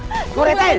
mana nih sebut ini